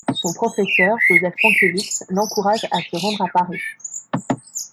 Son professeur Józef Pankiewicz l'encourage à se rendre à Paris.